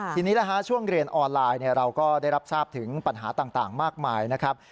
ทีนี้ช่วงเรียนออนไลน์เราก็ได้รับทราบถึงปัญหาต่างมากมายนะครับ